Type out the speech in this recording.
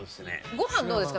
ご飯どうですか？